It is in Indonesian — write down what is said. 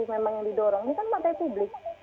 memang yang didorong ini kan partai publik